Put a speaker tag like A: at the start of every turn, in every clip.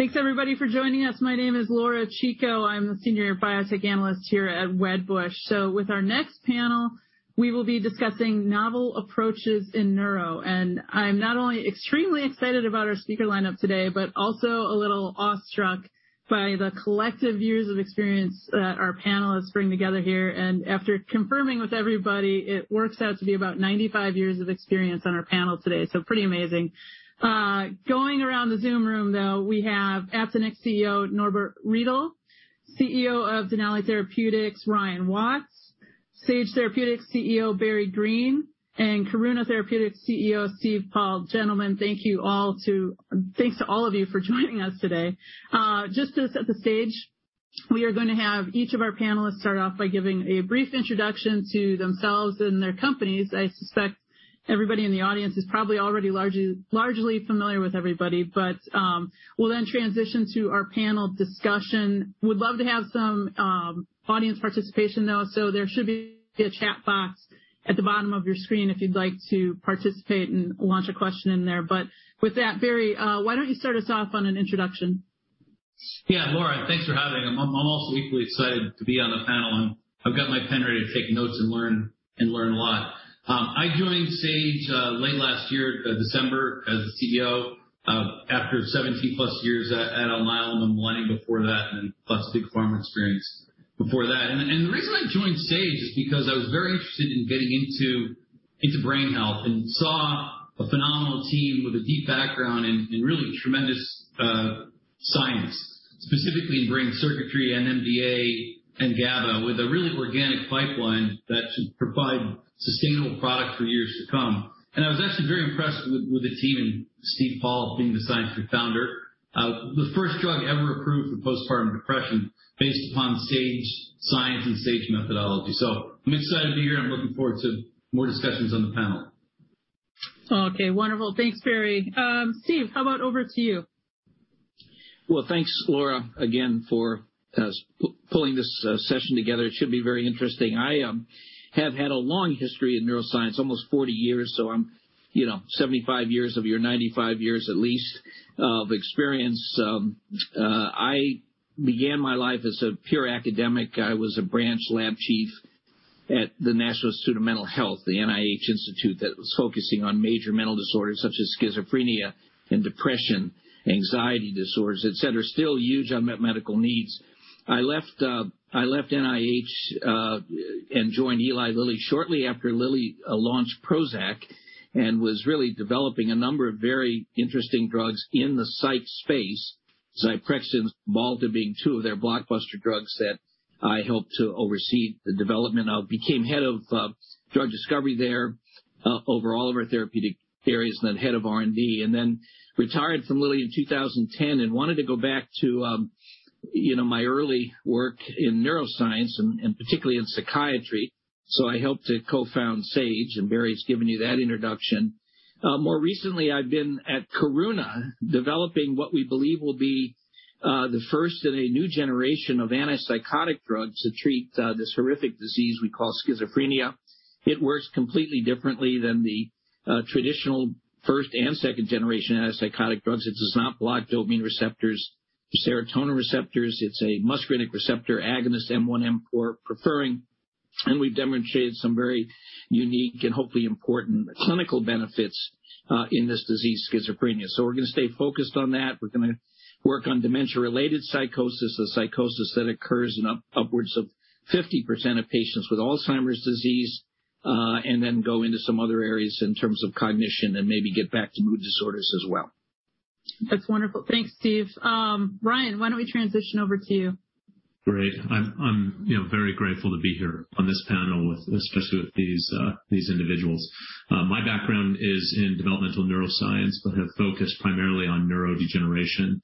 A: Thanks everybody for joining us. My name is Laura Chico. I'm the Senior Biotechnology Analyst here at Wedbush. With our next panel, we will be discussing novel approaches in neuro. I'm not only extremely excited about our speaker lineup today, but also a little awestruck by the collective years of experience that our panelists bring together here. After confirming with everybody, it works out to be about 95 years of experience on our panel today. Pretty amazing. Going around the Zoom room, though, we have Aptinyx CEO, Norbert Riedel, CEO of Denali Therapeutics, Ryan Watts, Sage Therapeutics CEO, Barry Greene, and Karuna Therapeutics CEO, Steve Paul. Gentlemen, thanks to all of you for joining us today. Just to set the stage, we are going to have each of our panelists start off by giving a brief introduction to themselves and their companies. I suspect everybody in the audience is probably already largely familiar with everybody. We'll then transition to our panel discussion. We'd love to have some audience participation, though, so there should be a chat box at the bottom of your screen if you'd like to participate and launch a question in there. With that, Barry Greene, why don't you start us off on an introduction?
B: Laura, thanks for having me. I'm also equally excited to be on the panel, and I've got my pen ready to take notes and learn a lot. I joined Sage late last year, December, as the CEO, after 17+ years at Amylin and Millennium before that, and plus big pharma experience before that. The reason I joined Sage is because I was very interested in getting into brain health and saw a phenomenal team with a deep background in really tremendous science, specifically in brain circuitry, NMDA, and GABA, with a really organic pipeline that should provide sustainable product for years to come. I was actually very impressed with the team and Steve Paul being the scientific founder. The first drug ever approved for postpartum depression based upon Sage science and Sage methodology. I'm excited to be here, and I'm looking forward to more discussions on the panel.
A: Okay, wonderful. Thanks, Barry. Steve, how about over to you?
C: Well, thanks, Laura, again for pulling this session together. It should be very interesting. I have had a long history in neuroscience, almost 40 years. I'm 75 years of your 95 years at least of experience. I began my life as a pure academic. I was a branch lab chief at the National Institute of Mental Health, the NIH institute that was focusing on major mental disorders such as schizophrenia and depression, anxiety disorders, et cetera. Still huge unmet medical needs. I left NIH and joined Eli Lilly shortly after Lilly launched Prozac and was really developing a number of very interesting drugs in the psych space, Zyprexa and Cymbalta being two of their blockbuster drugs that I helped to oversee the development of. Became head of drug discovery there, over all of our therapeutic areas and then head of R&D, then retired from Lilly in 2010 and wanted to go back to my early work in neuroscience and particularly in psychiatry. I helped to co-found Sage, and Barry's given you that introduction. More recently, I've been at Karuna, developing what we believe will be the first in a new generation of antipsychotic drugs to treat this horrific disease we call schizophrenia. It works completely differently than the traditional first and second generation antipsychotic drugs. It does not block dopamine receptors, serotonin receptors. It's a muscarinic receptor agonist M1M4 preferring, we've demonstrated some very unique and hopefully important clinical benefits in this disease, schizophrenia. We're going to stay focused on that. We're going to work on dementia-related psychosis, a psychosis that occurs in upwards of 50% of patients with Alzheimer's disease. Then go into some other areas in terms of cognition and maybe get back to mood disorders as well.
A: That's wonderful. Thanks, Steve. Ryan, why don't we transition over to you?
D: Great. I'm very grateful to be here on this panel, especially with these individuals. My background is in developmental neuroscience, but have focused primarily on neurodegeneration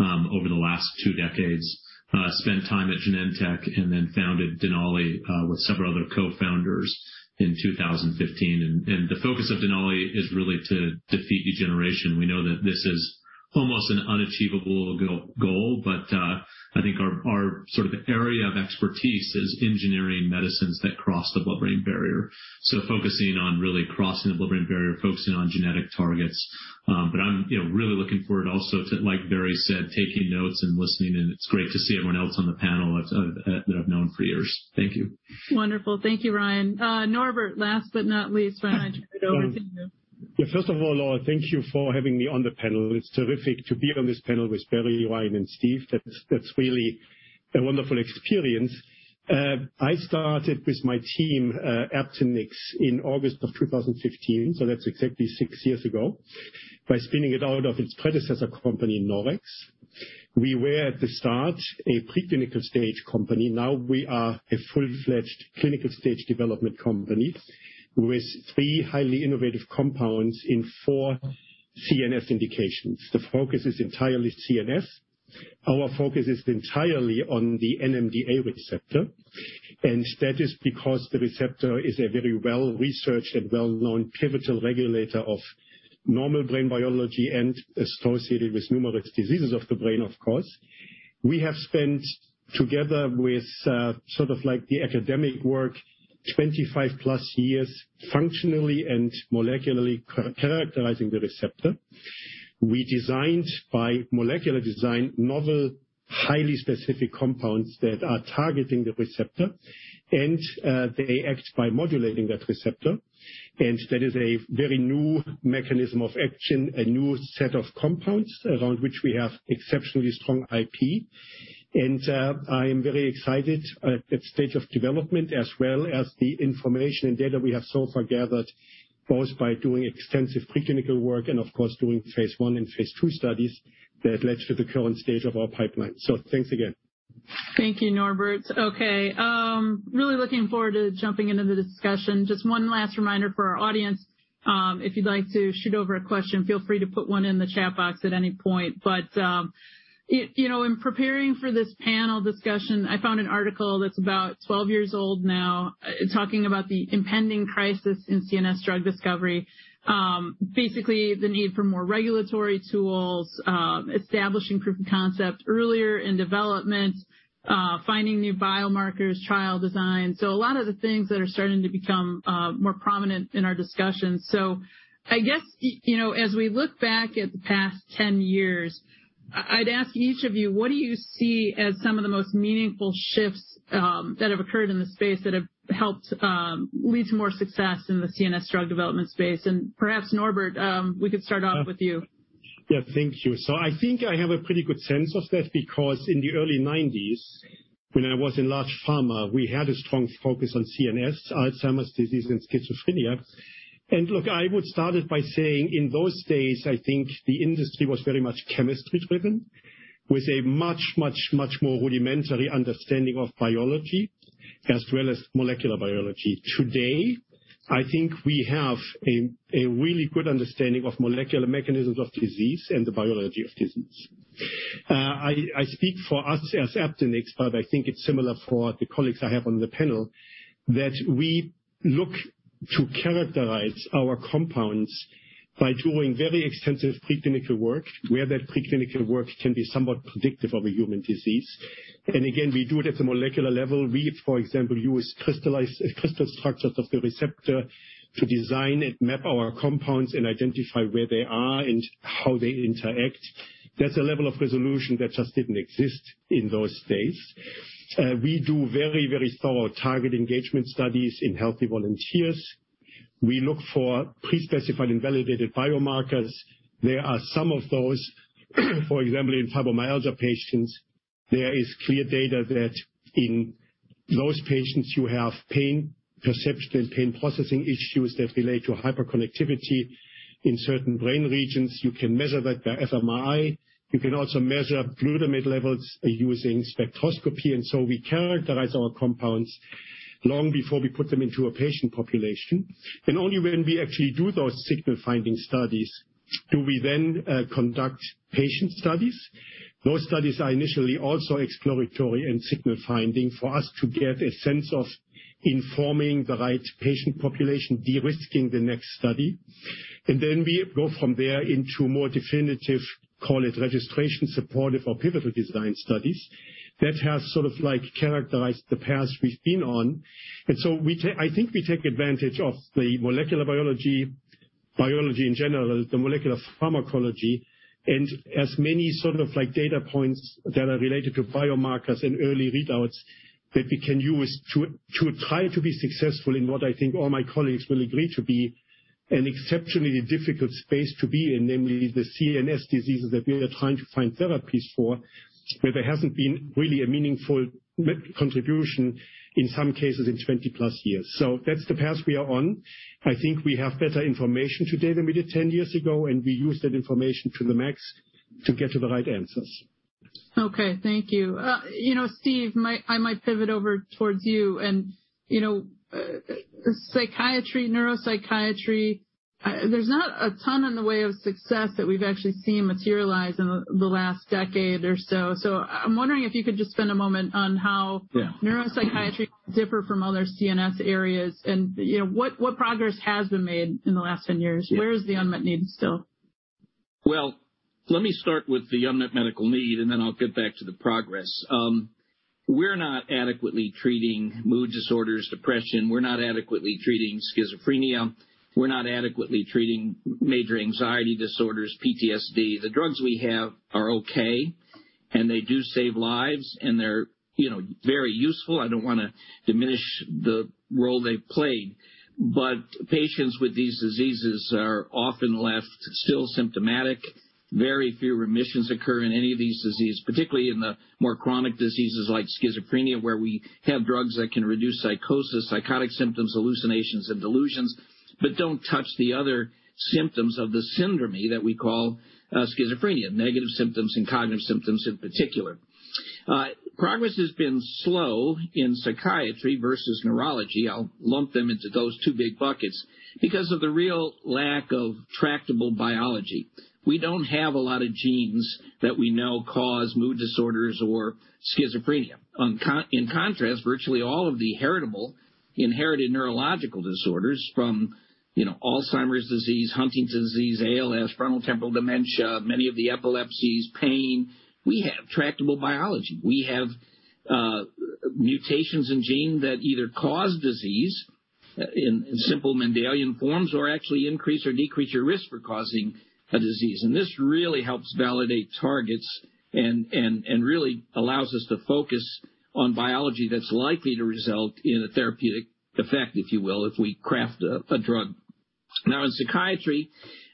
D: over the last two decades. Spent time at Genentech and then founded Denali with several other co-founders in 2015. The focus of Denali is really to defeat degeneration. We know that this is almost an unachievable goal, but I think our sort of area of expertise is engineering medicines that cross the blood-brain barrier. Focusing on really crossing the blood-brain barrier, focusing on genetic targets. I'm really looking forward also to, like Barry said, taking notes and listening, and it's great to see everyone else on the panel that I've known for years. Thank you.
A: Wonderful. Thank you, Ryan. Norbert, last but not least. Why don't I turn it over to you?
E: Yeah. First of all, Laura, thank you for having me on the panel. It's terrific to be on this panel with Barry, Ryan, and Steve. That's really a wonderful experience. I started with my team, Aptinyx, in August of 2015, so that's exactly six years ago, by spinning it out of its predecessor company, Naurex. We were at the start a preclinical stage company. Now we are a full-fledged clinical stage development company with three highly innovative compounds in 4 CNS indications. The focus is entirely CNS. Our focus is entirely on the NMDA receptor. That is because the receptor is a very well-researched and well-known pivotal regulator of normal brain biology and associated with numerous diseases of the brain, of course. We have spent together with the academic work, 25+ years functionally and molecularly characterizing the receptor. We designed by molecular design, novel, highly specific compounds that are targeting the receptor, and they act by modulating that receptor. That is a very new mechanism of action, a new set of compounds around which we have exceptionally strong IP. I am very excited at that stage of development, as well as the information and data we have so far gathered, both by doing extensive preclinical work and, of course, doing phase I and phase II studies that led to the current stage of our pipeline. Thanks again.
A: Thank you, Norbert. Okay. Really looking forward to jumping into the discussion. Just one last reminder for our audience. If you'd like to shoot over a question, feel free to put one in the chat box at any point. In preparing for this panel discussion, I found an article that's about 12 years old now, talking about the impending crisis in CNS drug discovery, basically, the need for more regulatory tools, establishing proof of concept earlier in development, finding new biomarkers, trial design. A lot of the things that are starting to become more prominent in our discussion. I guess, as we look back at the past 10 years, I'd ask each of you, what do you see as some of the most meaningful shifts that have occurred in the space that have helped lead to more success in the CNS drug development space? Perhaps, Norbert, we could start off with you.
E: Yeah, thank you. I think I have a pretty good sense of that because in the early 1990s, when I was in large pharma, we had a strong focus on CNS, Alzheimer's disease and schizophrenia. Look, I would start it by saying, in those days, I think the industry was very much chemistry driven with a much, much, much more rudimentary understanding of biology as well as molecular biology. Today, I think we have a really good understanding of molecular mechanisms of disease and the biology of disease. I speak for us as Aptinyx, but I think it's similar for the colleagues I have on the panel, that we look to characterize our compounds by doing very extensive pre-clinical work, where that pre-clinical work can be somewhat predictive of a human disease. Again, we do it at the molecular level. We, for example, use crystal structures of the receptor to design and map our compounds and identify where they are and how they interact. That's a level of resolution that just didn't exist in those days. We do very, very thorough target engagement studies in healthy volunteers. We look for pre-specified and validated biomarkers. There are some of those, for example, in fibromyalgia patients, there is clear data that in those patients you have pain perception and pain processing issues that relate to hyperconnectivity in certain brain regions. You can measure that by fMRI. You can also measure glutamate levels using spectroscopy. We characterize our compounds long before we put them into a patient population. Only when we actually do those signal finding studies, do we then conduct patient studies. Those studies are initially also exploratory and signal finding for us to get a sense of informing the right patient population, de-risking the next study. Then we go from there into more definitive, call it registration supportive or pivotal design studies. That has sort of characterized the path we've been on. I think we take advantage of the molecular biology in general, the molecular pharmacology, and as many sort of data points that are related to biomarkers and early readouts that we can use to try to be successful in what I think all my colleagues will agree to be an exceptionally difficult space to be in, namely the CNS diseases that we are trying to find therapies for, where there hasn't been really a meaningful contribution, in some cases, in 20+ years. That's the path we are on. I think we have better information today than we did 10 years ago, and we use that information to the max to get to the right answers.
A: Okay. Thank you. Steve, I might pivot over towards you and, psychiatry, neuropsychiatry, there's not a ton in the way of success that we've actually seen materialize in the last decade or so. I'm wondering if you could just spend a moment.
C: Yeah.
A: Neuropsychiatry differ from other CNS areas, and what progress has been made in the last 10 years?
C: Yeah.
A: Where is the unmet need still?
C: Well, let me start with the unmet medical need, then I'll get back to the progress. We're not adequately treating mood disorders, depression. We're not adequately treating schizophrenia. We're not adequately treating major anxiety disorders, PTSD. The drugs we have are okay, and they do save lives, and they're very useful. I don't want to diminish the role they've played. Patients with these diseases are often left still symptomatic. Very few remissions occur in any of these disease, particularly in the more chronic diseases like schizophrenia, where we have drugs that can reduce psychosis, psychotic symptoms, hallucinations, and delusions, but don't touch the other symptoms of the syndrome that we call schizophrenia, negative symptoms and cognitive symptoms in particular. Progress has been slow in psychiatry versus neurology. I'll lump them into those two big buckets. Because of the real lack of tractable biology. We don't have a lot of genes that we know cause mood disorders or schizophrenia. In contrast, virtually all of the heritable inherited neurological disorders from Alzheimer's disease, Huntington's disease, ALS, frontotemporal dementia, many of the epilepsies, pain, we have tractable biology. We have mutations in gene that either cause disease in simple Mendelian forms or actually increase or decrease your risk for causing a disease. This really helps validate targets and really allows us to focus on biology that's likely to result in a therapeutic effect, if you will, if we craft a drug. Now, in psychiatry,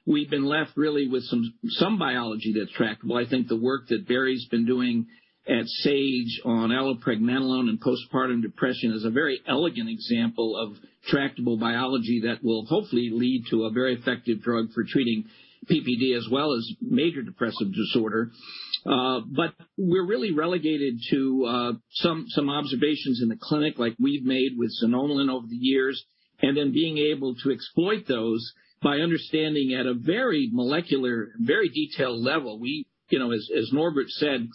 C: we've been left really with some biology that's tractable. I think the work that Barry's been doing at Sage on allopregnanolone and postpartum depression is a very elegant example of tractable biology that will hopefully lead to a very effective drug for treating PPD as well as major depressive disorder. We're really relegated to some observations in the clinic, like we've made with xanomeline over the years, and then being able to exploit those by understanding at a very molecular, very detailed level. As Norbert said,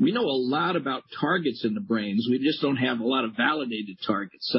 C: we know a lot about targets in the brains. We just don't have a lot of validated targets.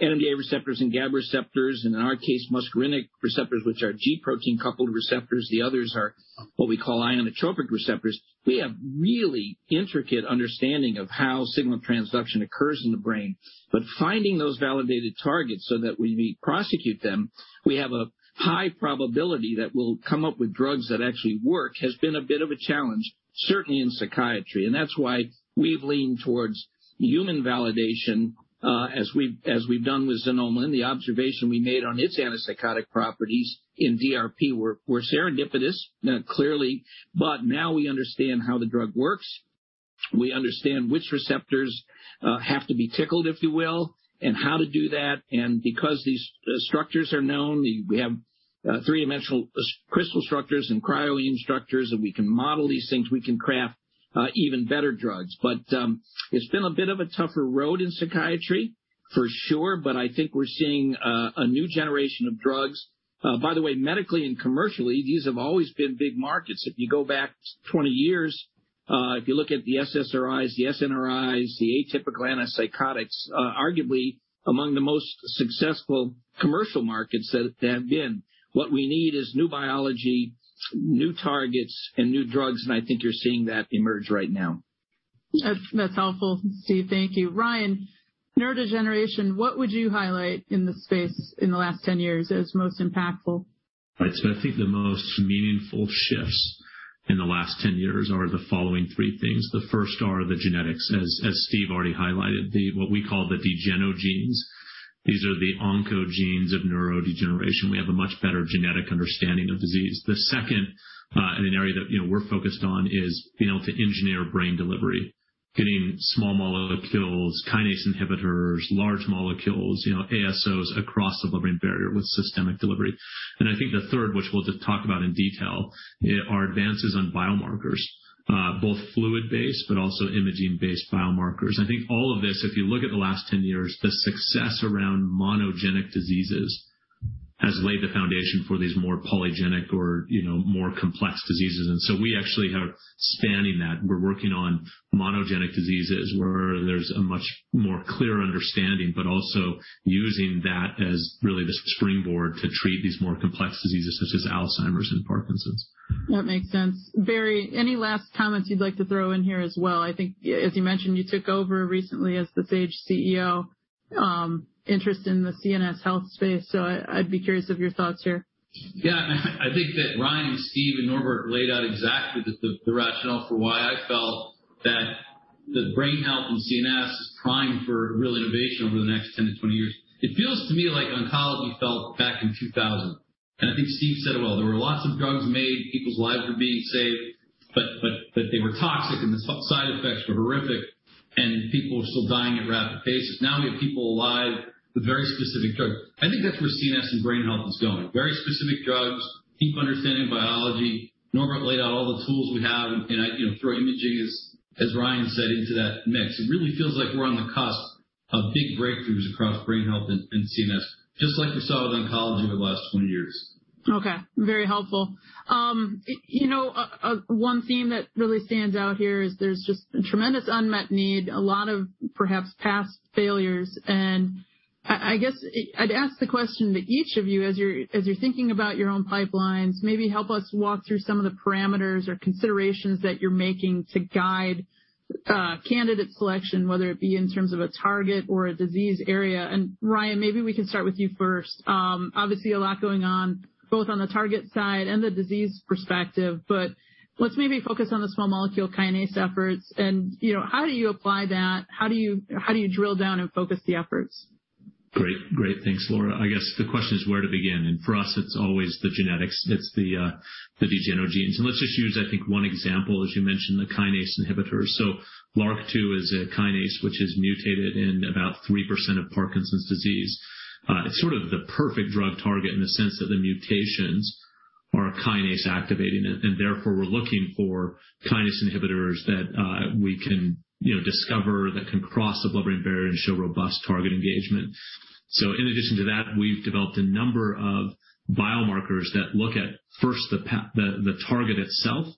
C: NMDA receptors and GABA receptors and in our case, muscarinic receptors, which are G protein-coupled receptors. The others are what we call ionotropic receptors. We have really intricate understanding of how signal transduction occurs in the brain, but finding those validated targets so that we prosecute them, we have a high probability that we'll come up with drugs that actually work, has been a bit of a challenge, certainly in psychiatry. That's why we've leaned towards human validation, as we've done with xanomeline. The observation we made on its antipsychotic properties in DRP were serendipitous, clearly, but now we understand how the drug works. We understand which receptors have to be tickled, if you will, and how to do that. Because these structures are known, we have three-dimensional crystal structures and cryo-EM structures, and we can model these things. We can craft even better drugs. It's been a bit of a tougher road in psychiatry, for sure, but I think we're seeing a new generation of drugs. Medically and commercially, these have always been big markets. If you go back 20 years, if you look at the SSRIs, the SNRIs, the atypical antipsychotics, arguably among the most successful commercial markets that have been. What we need is new biology, new targets, and new drugs, and I think you're seeing that emerge right now.
A: That's helpful, Steve. Thank you. Ryan, neurodegeneration, what would you highlight in this space in the last 10 years as most impactful?
D: I'd say I think the most meaningful shifts in the last 10 years are the following three things. The first are the genetics, as Steve already highlighted, what we call the degenogenes. These are the oncogenes of neurodegeneration. The second, and an area that we're focused on is being able to engineer brain delivery, getting small molecules, kinase inhibitors, large molecules, ASOs across the blood-brain barrier with systemic delivery. I think the third, which we'll talk about in detail, are advances on biomarkers, both fluid-based, but also imaging-based biomarkers. I think all of this, if you look at the last 10 years, the success around monogenic diseases has laid the foundation for these more polygenic or more complex diseases. We actually have spanning that. We're working on monogenic diseases where there's a much more clear understanding, but also using that as really the springboard to treat these more complex diseases such as Alzheimer's and Parkinson's.
A: That makes sense. Barry Greene, any last comments you'd like to throw in here as well? I think, as you mentioned, you took over recently as the Sage CEO, interest in the CNS health space, so I'd be curious of your thoughts here.
B: I think that Ryan, Steve, and Norbert laid out exactly the rationale for why I felt that the brain health and CNS is primed for real innovation over the next 10-20 years. It feels to me like oncology felt back in 2000, and I think Steve said it well. There were lots of drugs made, people's lives were being saved, but they were toxic, and the side effects were horrific, and people were still dying at rapid paces. Now we have people alive with very specific drugs. I think that's where CNS and brain health is going. Very specific drugs, deep understanding of biology. Norbert laid out all the tools we have, and throw imaging, as Ryan said, into that mix. It really feels like we're on the cusp of big breakthroughs across brain health and CNS, just like we saw with oncology over the last 20 years.
A: Okay. Very helpful. One theme that really stands out here is there's just tremendous unmet need, a lot of perhaps past failures. I guess I'd ask the question to each of you as you're thinking about your own pipelines, maybe help us walk through some of the parameters or considerations that you're making to guide candidate selection, whether it be in terms of a target or a disease area. Ryan, maybe we can start with you first. Obviously, a lot going on, both on the target side and the disease perspective, but let's maybe focus on the small molecule kinase efforts and how do you apply that? How do you drill down and focus the efforts?
D: Great. Thanks, Laura. I guess the question is where to begin. For us, it's always the genetics. It's the degenogenes. Let's just use, I think, one example, as you mentioned, the kinase inhibitors. LRRK2 is a kinase which is mutated in about 3% of Parkinson's disease. It's sort of the perfect drug target in the sense that the mutations are kinase activating, and therefore, we're looking for kinase inhibitors that we can discover that can cross the blood-brain barrier and show robust target engagement. In addition to that, we've developed a number of biomarkers that look at first the target itself.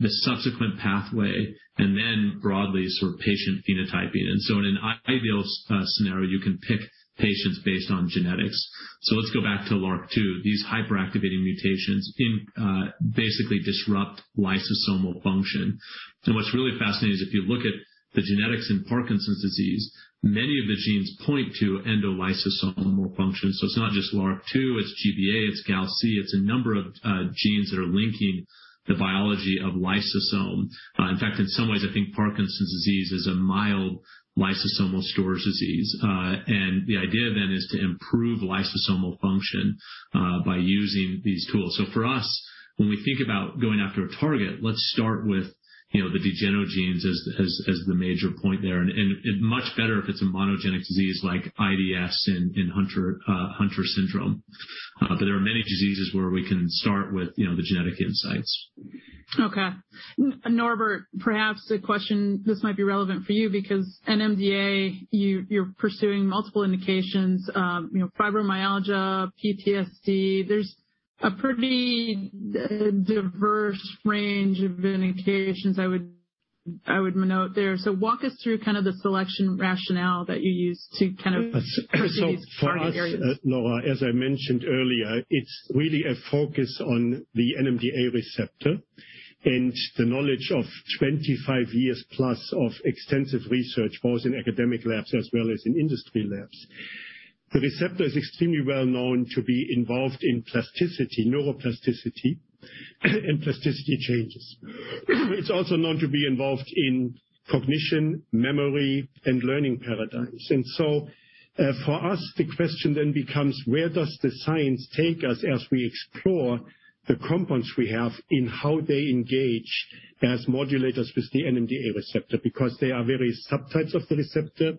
D: The subsequent pathway, and then broadly sort of patient phenotyping. In an ideal scenario, you can pick patients based on genetics. Let's go back to LRRK2. These hyper-activating mutations basically disrupt lysosomal function. What's really fascinating is if you look at the genetics in Parkinson's disease, many of the genes point to endolysosomal function. It's not just LRRK2, it's GBA, it's GALC, it's a number of genes that are linking the biology of lysosome. In fact, in some ways, I think Parkinson's disease is a mild lysosomal storage disease. The idea then is to improve lysosomal function by using these tools. For us, when we think about going after a target, let's start with the degenogenes as the major point there. Much better if it's a monogenic disease like IDS and Hunter syndrome. There are many diseases where we can start with the genetic insights.
A: Okay. Norbert, perhaps the question, this might be relevant for you because NMDA, you're pursuing multiple indications, fibromyalgia, PTSD. There's a pretty diverse range of indications I would note there. walk us through kind of the selection rationale that you use.
E: For us, Laura, as I mentioned earlier, it's really a focus on the NMDA receptor and the knowledge of 25+ years of extensive research, both in academic labs as well as in industry labs. The receptor is extremely well known to be involved in plasticity, neuroplasticity, and plasticity changes. It's also known to be involved in cognition, memory, and learning paradigms. For us, the question then becomes where does the science take us as we explore the compounds we have in how they engage as modulators with the NMDA receptor? Because there are various subtypes of the receptor,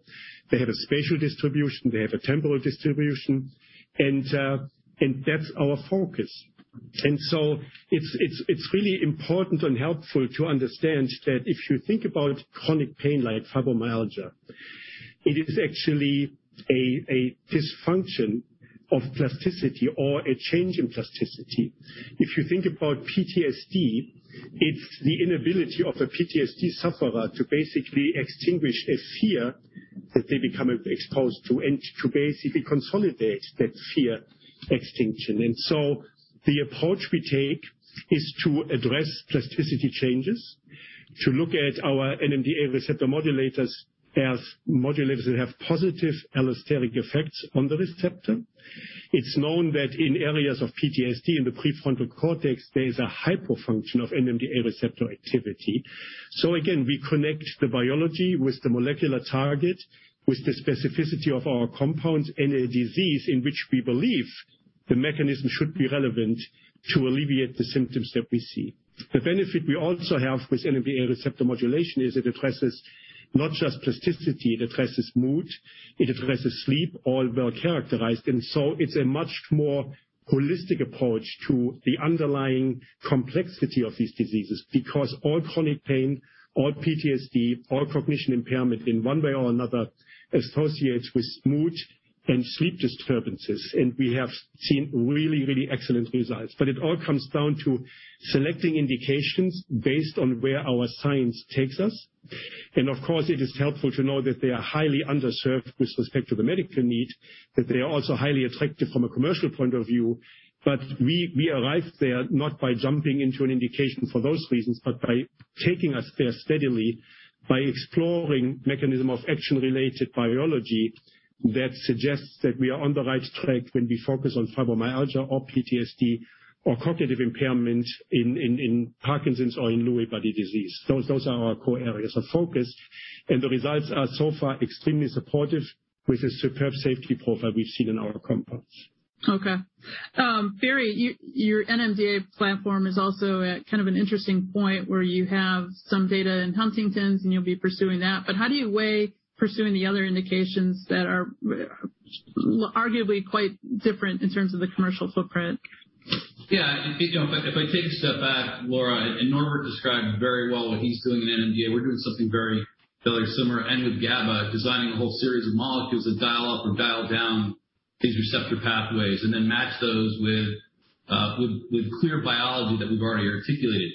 E: they have a spatial distribution, they have a temporal distribution, and that's our focus. It's really important and helpful to understand that if you think about chronic pain like fibromyalgia, it is actually a dysfunction of plasticity or a change in plasticity. If you think about PTSD, it's the inability of a PTSD sufferer to basically extinguish a fear that they become exposed to and to basically consolidate that fear extinction. The approach we take is to address plasticity changes, to look at our NMDA receptor modulators as modulators that have positive allosteric effects on the receptor. It's known that in areas of PTSD in the prefrontal cortex, there is a hypofunction of NMDA receptor activity. Again, we connect the biology with the molecular target, with the specificity of our compounds in a disease in which we believe the mechanism should be relevant to alleviate the symptoms that we see. The benefit we also have with NMDA receptor modulation is it addresses not just plasticity, it addresses mood, it addresses sleep, all well characterized. It's a much more holistic approach to the underlying complexity of these diseases, because all chronic pain, all PTSD, all cognition impairment in one way or another associates with mood and sleep disturbances. We have seen really, really excellent results. It all comes down to selecting indications based on where our science takes us. Of course, it is helpful to know that they are highly underserved with respect to the medical need, that they are also highly attractive from a commercial point of view. We arrive there not by jumping into an indication for those reasons, but by taking us there steadily, by exploring mechanism of action-related biology that suggests that we are on the right track when we focus on fibromyalgia or PTSD or cognitive impairment in Parkinson's or in Lewy body disease. Those are our core areas of focus, and the results are so far extremely supportive with the superb safety profile we've seen in our compounds.
A: Okay. Barry Greene, your NMDA platform is also at kind of an interesting point where you have some data in Huntington's, and you'll be pursuing that. How do you weigh pursuing the other indications that are arguably quite different in terms of the commercial footprint?
B: Yeah. If I take a step back, Laura, Norbert described very well what he's doing in NMDA, we're doing something very similar with GABA, designing a whole series of molecules that dial up or dial down these receptor pathways and then match those with clear biology that we've already articulated.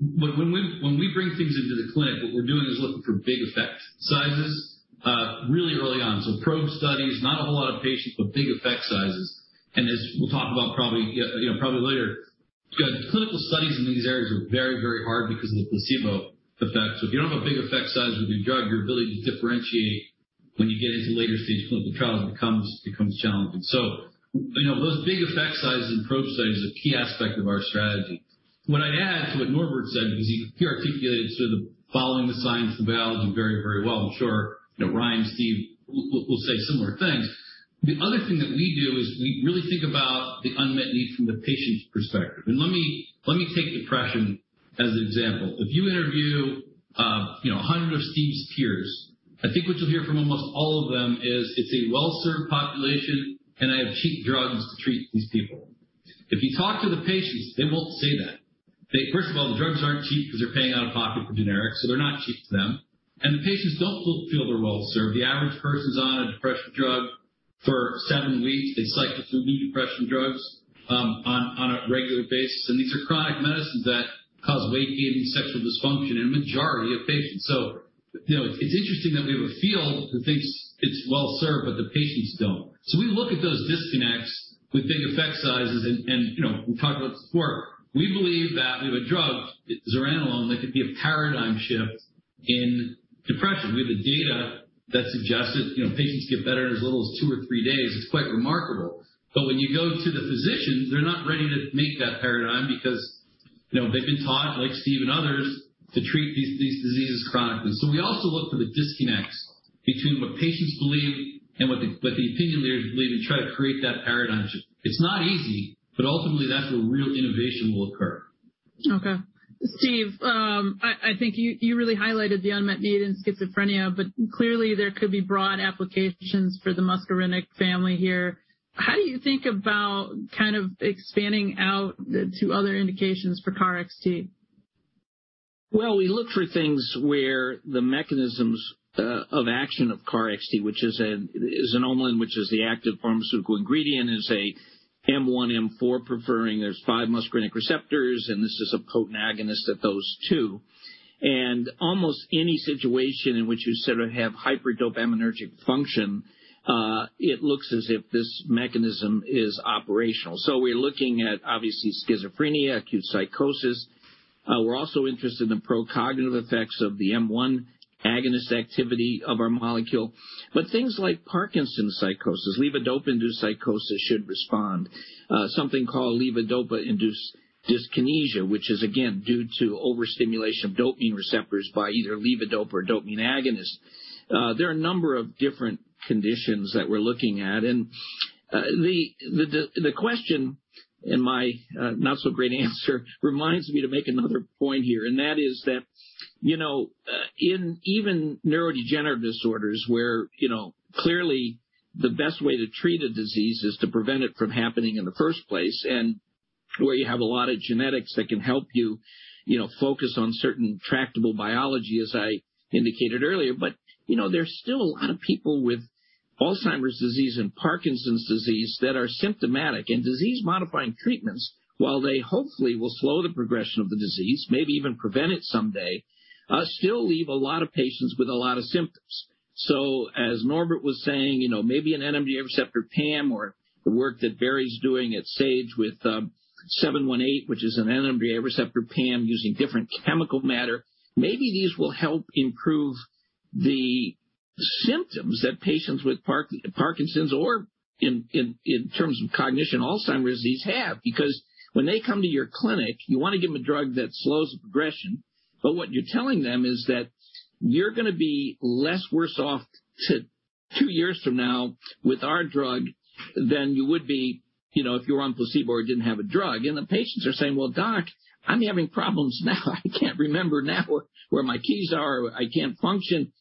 B: When we bring things into the clinic, what we're doing is looking for big effect sizes really early on. Probe studies, not a whole lot of patients, but big effect sizes. As we'll talk about probably later, clinical studies in these areas are very, very hard because of the placebo effect. If you don't have a big effect size with your drug, your ability to differentiate when you get into later-stage clinical trials becomes challenging. Those big effect sizes in probe studies is a key aspect of our strategy. What I'd add to what Norbert said, because he articulated sort of following the science, the biology very, very well. I'm sure Ryan, Steve will say similar things. The other thing that we do is we really think about the unmet need from the patient's perspective. Let me take depression as an example. If you interview 100 of Steve's peers, I think what you'll hear from almost all of them is it's a well-served population, and I have cheap drugs to treat these people. If you talk to the patients, they won't say that. First of all, the drugs aren't cheap because they're paying out of pocket for generics, so they're not cheap to them. The patients don't feel they're well-served. The average person's on a depression drug For seven weeks, it's like the three new depression drugs on a regular basis. These are chronic medicines that cause weight gain and sexual dysfunction in a majority of patients. It's interesting that we have a field that thinks it's well-served, but the patients don't. We look at those disconnects with big effect sizes, and we talk about support. We believe that we have a drug, zuranolone, that could be a paradigm shift in depression. We have the data that suggests that patients get better in as little as two or three days. It's quite remarkable. When you go to the physicians, they're not ready to make that paradigm because they've been taught, like Steve and others, to treat these diseases chronically. We also look for the disconnects between what patients believe and what the opinion leaders believe and try to create that paradigm shift. It's not easy, but ultimately, that's where real innovation will occur.
A: Okay. Steve, I think you really highlighted the unmet need in schizophrenia, but clearly there could be broad applications for the muscarinic family here. How do you think about expanding out to other indications for KarXT?
C: We look for things where the mechanisms of action of KarXT, which is xanomeline, which is the active pharmaceutical ingredient, is a M1M4 preferring. There's five muscarinic receptors, and this is a potent agonist of those two. Almost any situation in which you sort of have hyperdopaminergic function, it looks as if this mechanism is operational. We're looking at, obviously, schizophrenia, acute psychosis. We're also interested in the pro-cognitive effects of the M1 agonist activity of our molecule. Things like Parkinson's psychosis, levodopa-induced psychosis should respond. Something called levodopa-induced dyskinesia, which is again, due to overstimulation of dopamine receptors by either levodopa or dopamine agonist. There are a number of different conditions that we're looking at. The question, and my not-so-great answer, reminds me to make another point here, and that is that in even neurodegenerative disorders where clearly the best way to treat a disease is to prevent it from happening in the first place, and where you have a lot of genetics that can help you focus on certain tractable biology, as I indicated earlier. There's still a lot of people with Alzheimer's disease and Parkinson's disease that are symptomatic, and disease-modifying treatments, while they hopefully will slow the progression of the disease, maybe even prevent it someday, still leave a lot of patients with a lot of symptoms. As Norbert Riedel was saying, maybe an NMDA receptor PAM or the work that Barry Greene is doing at Sage with SAGE-718, which is an NMDA receptor PAM using different chemical matter, maybe these will help improve the symptoms that patients with Parkinson's or, in terms of cognition, Alzheimer's disease have. When they come to your clinic, you want to give them a drug that slows the progression. What you're telling them is that you're going to be less worse off two years from now with our drug than you would be if you were on placebo or didn't have a drug. The patients are saying, "Well, Doc, I'm having problems now. I can't remember now where my keys are. I can't function."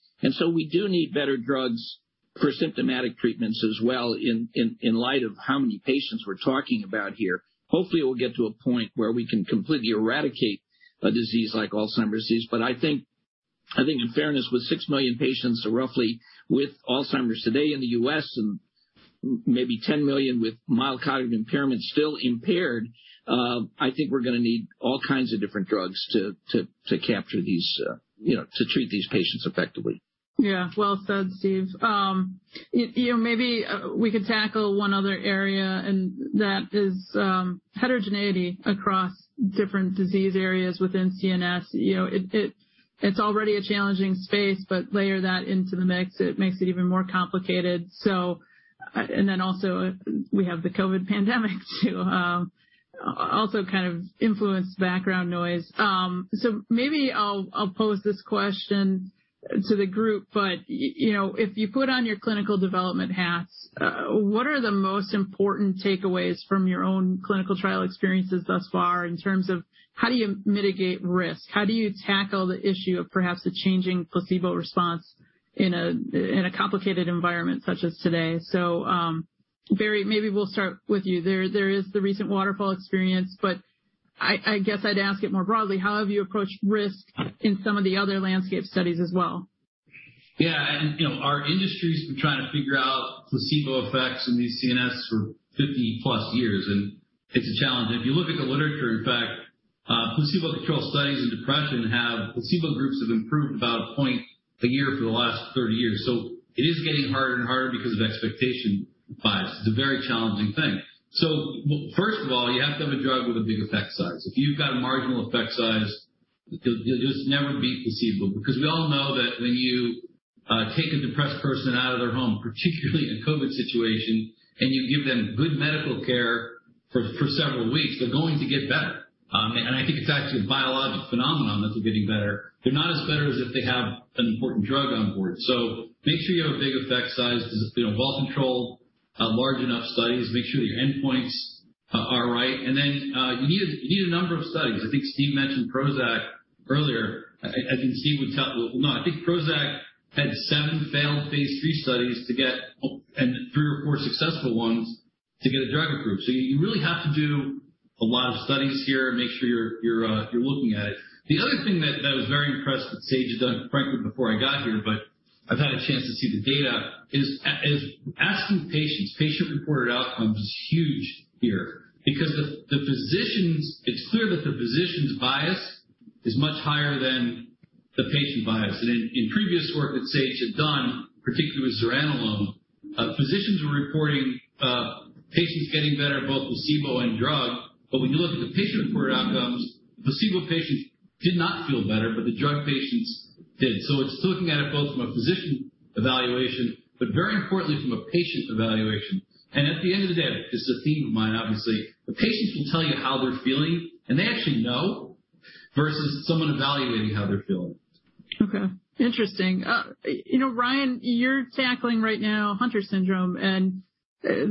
C: We do need better drugs for symptomatic treatments as well in light of how many patients we're talking about here. Hopefully, we'll get to a point where we can completely eradicate a disease like Alzheimer's disease. I think in fairness, with 6 million patients roughly with Alzheimer's today in the U.S. and maybe 10 million with mild cognitive impairment still impaired, I think we're going to need all kinds of different drugs to treat these patients effectively.
A: Yeah. Well said, Steve. We could tackle one other area, and that is heterogeneity across different disease areas within CNS. It's already a challenging space, layer that into the mix, it makes it even more complicated. We have the COVID pandemic too, also kind of influenced background noise. I'll pose this question to the group. If you put on your clinical development hats, what are the most important takeaways from your own clinical trial experiences thus far in terms of how do you mitigate risk? How do you tackle the issue of perhaps a changing placebo response in a complicated environment such as today? Barry, we'll start with you. There is the recent Waterfall experience, I guess I'd ask it more broadly. How have you approached risk in some of the other landscape studies as well?
B: Yeah. Our industry's been trying to figure out placebo effects in these CNS for 50+ years, and it's a challenge. If you look at the literature, in fact, placebo-controlled studies in depression, placebo groups have improved about 1 point a year for the last 30 years. It is getting harder and harder because of expectation bias. It's a very challenging thing. First of all, you have to have a drug with a big effect size. If you've got a marginal effect size, you'll just never beat placebo. We all know that when you take a depressed person out of their home, particularly in a COVID situation, and you give them good medical care for several weeks, they're going to get better. I think it's actually a biologic phenomenon that they're getting better. They're not as better as if they have an important drug on board. Make sure you have a big effect size. This is well-controlled, large enough studies. Make sure that your endpoints are right. You need a number of studies. I think Steve mentioned PROZAC earlier. I think PROZAC had seven failed phase III studies and three or four successful ones. To get a drug approved. You really have to do a lot of studies here and make sure you're looking at it. The other thing that I was very impressed that Sage had done, frankly, before I got here, but I've had a chance to see the data, is asking patients. Patient-reported outcomes is huge here because it's clear that the physician's bias is much higher than the patient bias. In previous work that Sage had done, particularly with zuranolone, physicians were reporting patients getting better, both placebo and drug. When you look at the patient-reported outcomes, placebo patients did not feel better, but the drug patients did. It's looking at it both from a physician evaluation, but very importantly, from a patient evaluation. At the end of the day, this is a theme of mine obviously, the patients can tell you how they're feeling, and they actually know, versus someone evaluating how they're feeling.
A: Interesting. Ryan, you're tackling right now Hunter syndrome, and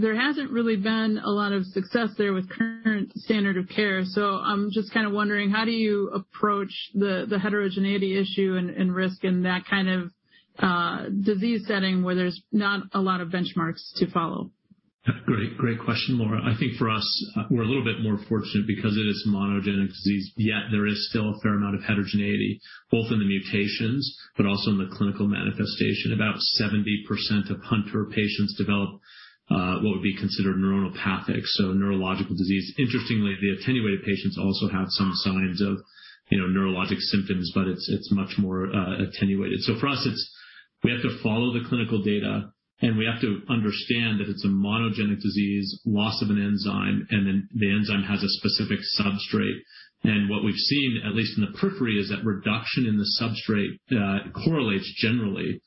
A: there hasn't really been a lot of success there with current standard of care. I'm just kind of wondering how do you approach the heterogeneity issue and risk in that kind of disease setting where there's not a lot of benchmarks to follow?
D: Great question, Laura. I think for us, we're a little bit more fortunate because it is monogenic disease. There is still a fair amount of heterogeneity, both in the mutations but also in the clinical manifestation. About 70% of Hunter patients develop what would be considered neuronopathic, so neurological disease. Interestingly, the attenuated patients also have some signs of neurologic symptoms. It's much more attenuated. For us, we have to follow the clinical data. We have to understand that it's a monogenic disease, loss of an enzyme. The enzyme has a specific substrate. What we've seen, at least in the periphery, is that reduction in the substrate correlates generally with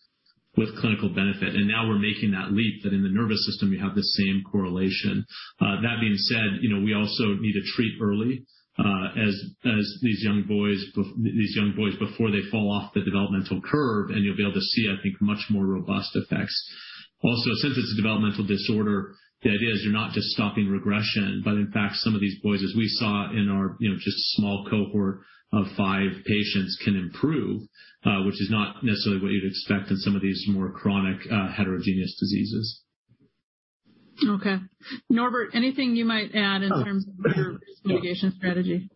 D: clinical benefit. Now we're making that leap that in the nervous system we have the same correlation. That being said, we also need to treat early these young boys before they fall off the developmental curve, and you'll be able to see, I think, much more robust effects. Also, since it's a developmental disorder, the idea is you're not just stopping regression, but in fact, some of these boys, as we saw in our just small cohort of five patients, can improve, which is not necessarily what you'd expect in some of these more chronic heterogeneous diseases.
A: Okay. Norbert, anything you might add in terms of your risk mitigation strategy?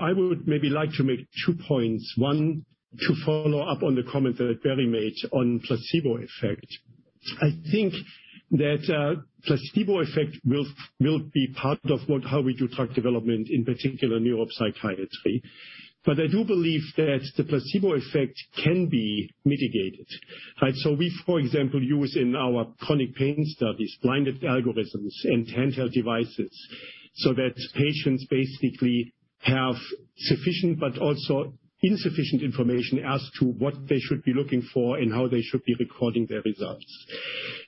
E: I would maybe like to make 2 points. One, to follow up on the comment that Barry made on placebo effect. I think that placebo effect will be part of how we do drug development, in particular neuropsychiatry. I do believe that the placebo effect can be mitigated. We, for example, use in our chronic pain studies, blinded algorithms and handheld devices so that patients basically have sufficient but also insufficient information as to what they should be looking for and how they should be recording their results.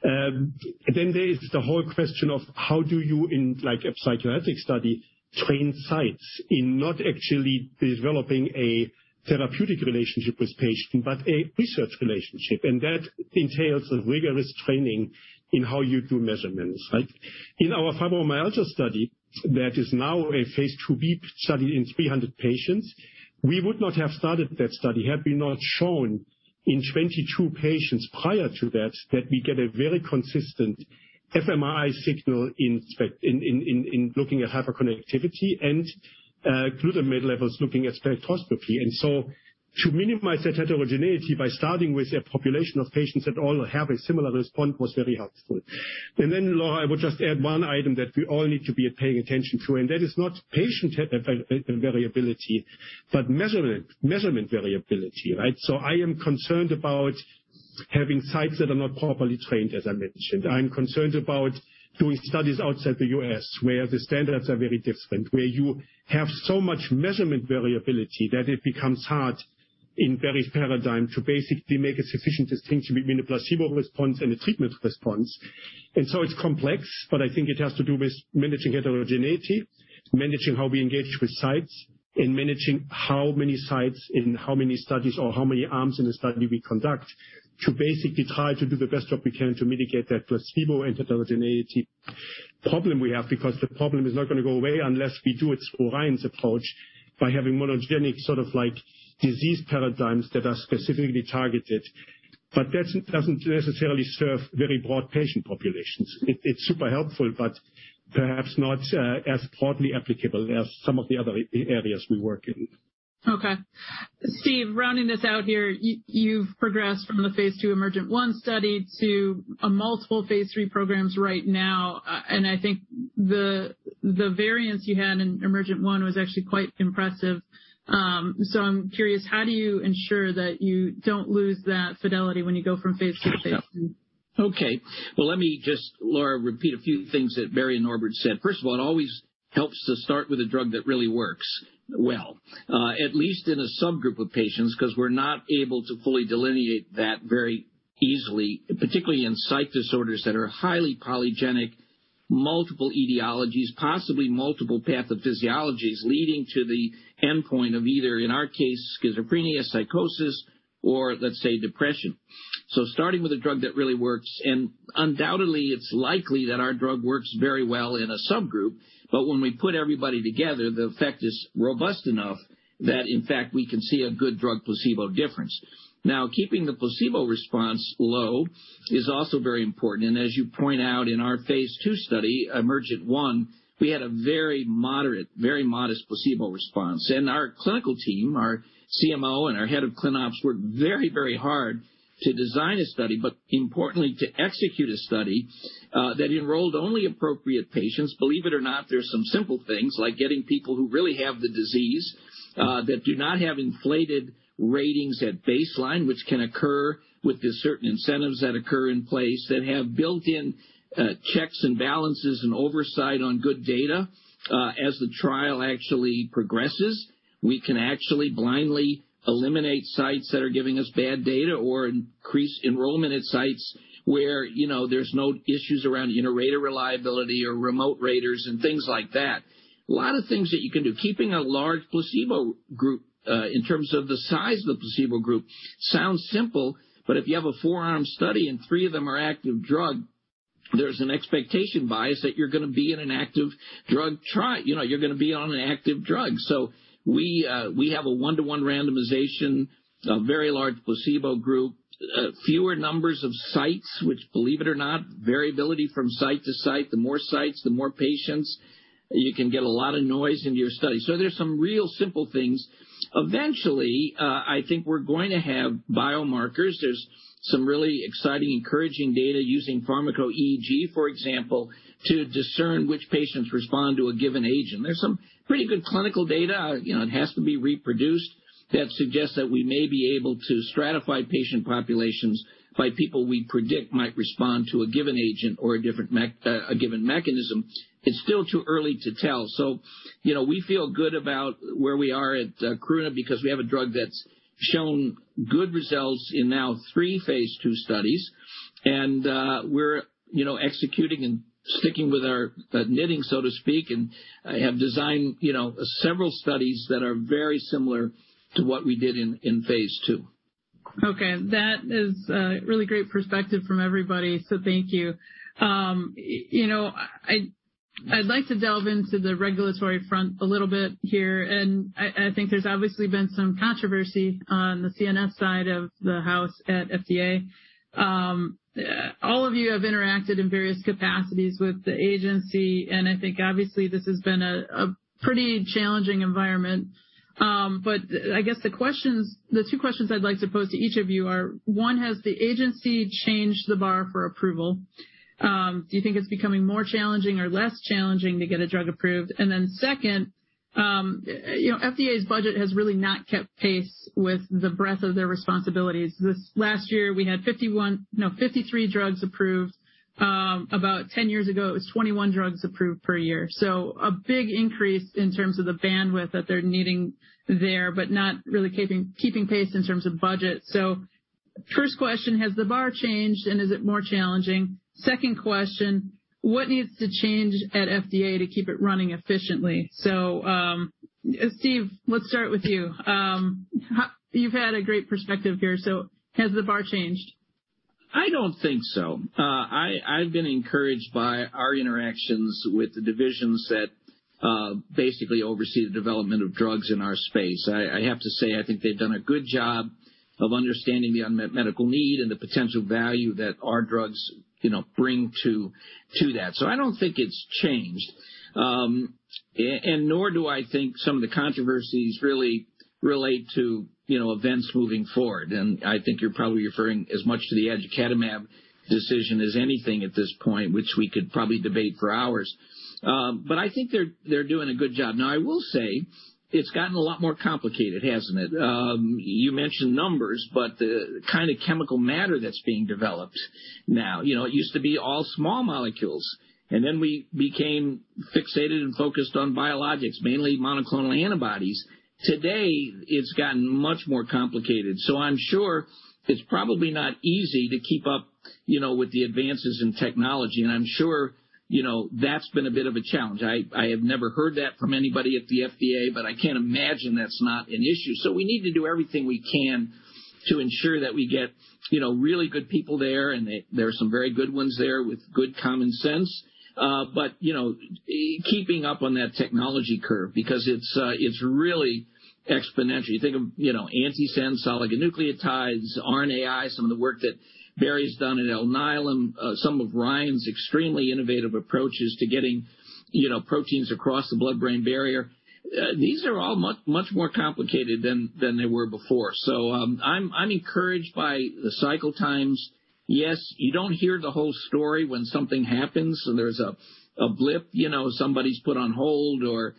E: There is the whole question of how do you, in a psychiatric study, train sites in not actually developing a therapeutic relationship with patient, but a research relationship. That entails a rigorous training in how you do measurements. In our fibromyalgia study, that is now a phase IIb study in 300 patients, we would not have started that study had we not shown in 22 patients prior to that we get a very consistent fMRI signal in looking at hyperconnectivity and glutamate levels, looking at spectroscopy. To minimize that heterogeneity by starting with a population of patients that all have a similar response was very helpful. Then, Laura, I would just add one item that we all need to be paying attention to, and that is not patient variability, but measurement variability. I am concerned about having sites that are not properly trained, as I mentioned. I'm concerned about doing studies outside the U.S. where the standards are very different, where you have so much measurement variability that it becomes hard in Barry's paradigm to basically make a sufficient distinction between a placebo response and a treatment response. It's complex, but I think it has to do with managing heterogeneity, managing how we engage with sites, and managing how many sites and how many studies or how many arms in a study we conduct to basically try to do the best job we can to mitigate that placebo and heterogeneity problem we have, because the problem is not going to go away unless we do it for Ryan's approach by having monogenic disease paradigms that are specifically targeted. That doesn't necessarily serve very broad patient populations. It's super helpful, but perhaps not as broadly applicable as some of the other areas we work in.
A: Okay. Steve, rounding this out here, you've progressed from the phase II EMERGENT-1 study to a multiple phase III programs right now, and I think the variance you had in EMERGENT-1 was actually quite impressive. I'm curious, how do you ensure that you don't lose that fidelity when you go from phase-to-phase?
C: Okay. Well, let me just, Laura, repeat a few things that Barry and Norbert said. First of all, it always helps to start with a drug that really works well, at least in a subgroup of patients, because we're not able to fully delineate that very easily, particularly in psych disorders that are highly polygenic leading to the endpoint of either, in our case, schizophrenia, psychosis, or let's say, depression. Starting with a drug that really works, and undoubtedly it's likely that our drug works very well in a subgroup, but when we put everybody together, the effect is robust enough that, in fact, we can see a good drug placebo difference. Keeping the placebo response low is also very important. As you point out in our phase II study, EMERGENT-1, we had a very moderate, very modest placebo response. Our clinical team, our CMO, and our head of Clinical Operations worked very hard to design a study, importantly, to execute a study that enrolled only appropriate patients. Believe it or not, there are some simple things, like getting people who really have the disease, that do not have inflated ratings at baseline, which can occur with the certain incentives that occur in place that have built-in checks and balances and oversight on good data. As the trial actually progresses, we can actually blindly eliminate sites that are giving us bad data or increase enrollment at sites where there's no issues around inter-rater reliability or remote raters and things like that. A lot of things that you can do. Keeping a large placebo group in terms of the size of the placebo group sounds simple, but if you have a four-arm study and three of them are active drug, there's an expectation bias that you're going to be in an active drug trial. You're going to be on an active drug. We have a one-to-one randomization, a very large placebo group, fewer numbers of sites, which believe it or not, variability from site to site, The more sites, the more patients, you can get a lot of noise into your study. There's some real simple things. Eventually, I think we're going to have biomarkers. There's some really exciting, encouraging data using pharmaco-EEG, for example, to discern which patients respond to a given agent. There's some pretty good clinical data, it has to be reproduced, that suggests that we may be able to stratify patient populations by people we predict might respond to a given agent or a given mechanism. It's still too early to tell. We feel good about where we are at Karuna because we have a drug that's shown good results in now three phase II studies. We're executing and sticking with our knitting, so to speak, and have designed several studies that are very similar to what we did in phase II.
A: Okay. That is really great perspective from everybody, so thank you. I'd like to delve into the regulatory front a little bit here, and I think there's obviously been some controversy on the CNS side of the house at FDA. All of you have interacted in various capacities with the agency, and I think obviously this has been a pretty challenging environment. I guess the one question I'd like to pose to each of you are, one, has the agency changed the bar for approval? Do you think it's becoming more challenging or less challenging to get a drug approved? two, FDA's budget has really not kept pace with the breadth of their responsibilities. This last year, we had 53 drugs approved. About 10 years ago, it was 21 drugs approved per year. A big increase in terms of the bandwidth that they're needing there, but not really keeping pace in terms of budget. First question, has the bar changed and is it more challenging? Second question, what needs to change at FDA to keep it running efficiently? Steve, let's start with you. You've had a great perspective here, has the bar changed?
C: I don't think so. I've been encouraged by our interactions with the divisions that basically oversee the development of drugs in our space. I have to say, I think they've done a good job of understanding the unmet medical need and the potential value that our drugs bring to that. I don't think it's changed. Nor do I think some of the controversies really relate to events moving forward. I think you're probably referring as much to the aducanumab decision as anything at this point, which we could probably debate for hours. I think they're doing a good job. Now, I will say it's gotten a lot more complicated, hasn't it? You mentioned numbers, but the kind of chemical matter that's being developed now. It used to be all small molecules, and then we became fixated and focused on biologics, mainly monoclonal antibodies. Today, it's gotten much more complicated. I'm sure it's probably not easy to keep up with the advances in technology, and I'm sure that's been a bit of a challenge. I have never heard that from anybody at the FDA, but I can't imagine that's not an issue. We need to do everything we can to ensure that we get really good people there, and there's some very good ones there with good common sense. Keeping up on that technology curve, because it's really exponential. You think of antisense oligonucleotides, RNAi, some of the work that Barry's done at Alnylam, some of Ryan's extremely innovative approaches to getting proteins across the blood-brain barrier. These are all much more complicated than they were before. I'm encouraged by the cycle times. Yes, you don't hear the whole story when something happens and there's a blip, somebody's put on hold or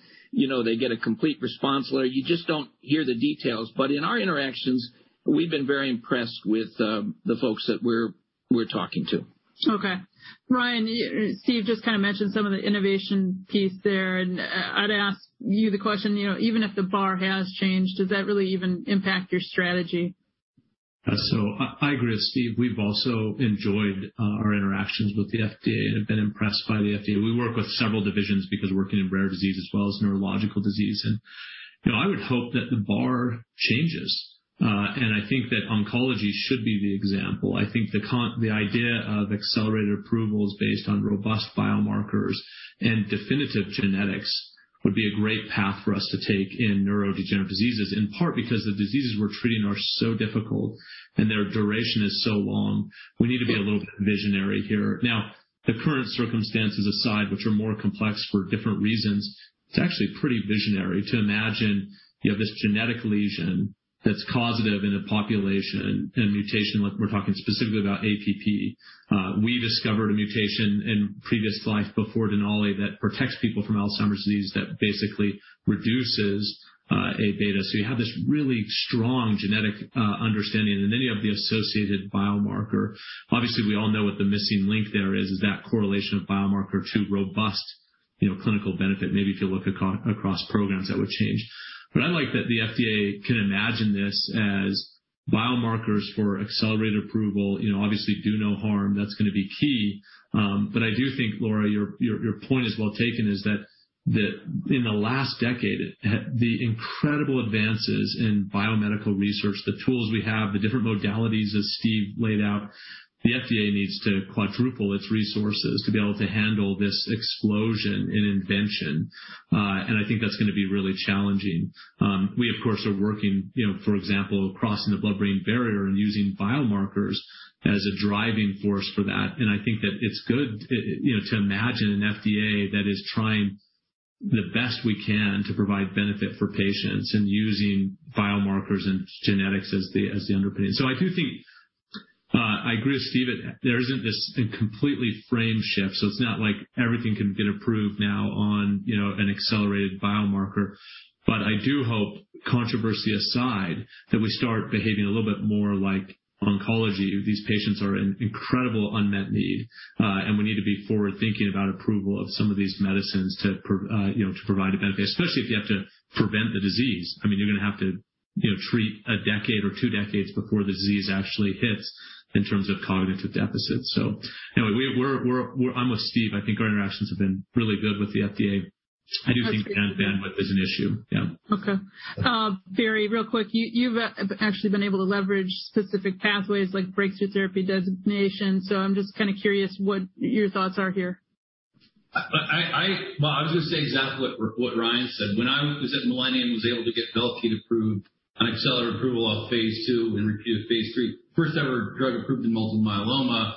C: they get a complete response letter. You just don't hear the details. In our interactions, we've been very impressed with the folks that we're talking to.
A: Okay. Ryan, Steve just kind of mentioned some of the innovation piece there, I'd ask you the question, even if the bar has changed, does that really even impact your strategy?
D: I agree with Steve. We've also enjoyed our interactions with the FDA and have been impressed by the FDA. We work with several divisions because we're working in rare disease as well as neurological disease. I would hope that the bar changes. I think that oncology should be the example. I think the idea of accelerated approvals based on robust biomarkers and definitive genetics would be a great path for us to take in neurodegenerative diseases, in part because the diseases we're treating are so difficult and their duration is so long. We need to be a little bit visionary here. The current circumstances aside, which are more complex for different reasons, it's actually pretty visionary to imagine you have this genetic lesion that's causative in a population, in a mutation, like we're talking specifically about APP. We discovered a mutation in previous life before Denali that protects people from Alzheimer's disease that basically reduces Abeta. You have this really strong genetic understanding and then you have the associated biomarker. Obviously, we all know what the missing link there is that correlation of biomarker to robust clinical benefit. Maybe if you look across programs, that would change. I like that the FDA can imagine this as biomarkers for accelerated approval, obviously do no harm. That's going to be key. I do think, Laura, your point is well taken, is that in the last decade, the incredible advances in biomedical research, the tools we have, the different modalities, as Steve laid out, the FDA needs to quadruple its resources to be able to handle this explosion in invention. I think that's going to be really challenging. We, of course, are working, for example, crossing the blood-brain barrier and using biomarkers as a driving force for that. I think that it's good to imagine an FDA that is trying the best we can to provide benefit for patients and using biomarkers and genetics as the underpinning. I do think I agree with Steve, that there isn't this completely frame shift. It's not like everything can get approved now on an accelerated biomarker. I do hope, controversy aside, that we start behaving a little bit more like oncology. These patients are an incredible unmet need. We need to be forward-thinking about approval of some of these medicines to provide a benefit, especially if you have to prevent the disease. You're going to have to treat one decade or two decades before the disease actually hits in terms of cognitive deficits. I'm with Steve. I think our interactions have been really good with the FDA. I do think bandwidth is an issue. Yeah.
A: Okay. Barry, real quick, you've actually been able to leverage specific pathways like breakthrough therapy designation. I'm just kind of curious what your thoughts are here.
B: Well, I was going to say exactly what Ryan said. When I was at Millennium, was able to get VELCADE approved on accelerated approval on phase II and repeated phase III, first-ever drug approved in multiple myeloma.